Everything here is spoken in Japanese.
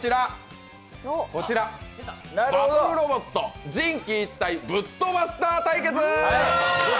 こちらバトルロボット、人機一体ブットバスター対決。